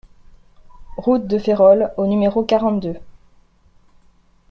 Route de Férolles au numéro quarante-deux